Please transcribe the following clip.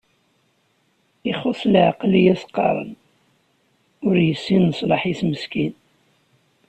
Ixuṣ leɛqel i as-qqaren, ur yessin leṣlaḥ-is meskin.